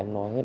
vợ em nói hết